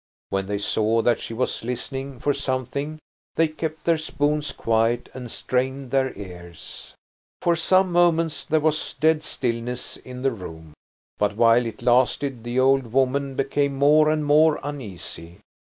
When they saw that she was listening for something, they kept their spoons quiet and strained their ears. For some moments there was dead stillness in the room, but while it lasted the old woman became more and more uneasy.